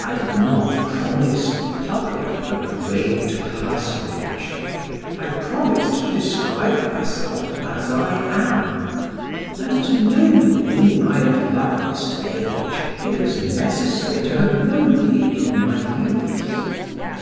I did not promise the public a great personage: I promised to describe myself as I am, and to know me in my advanced age it was necessary to have known me in my youth.